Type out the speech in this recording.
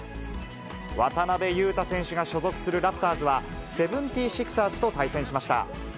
渡邊雄太選手が所属するラプターズは、セブンティシクサーズと対戦しました。